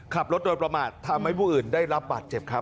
ขับรถโดยประมาททำให้ผู้อื่นได้รับบาดเจ็บครับ